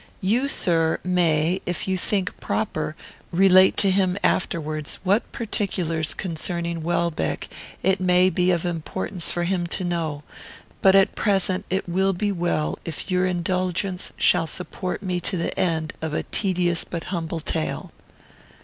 You, sir, may, if you think proper, relate to him afterwards what particulars concerning Welbeck it may be of importance for him to know; but at present it will be well if your indulgence shall support me to the end of a tedious but humble tale."